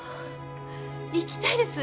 行きたいです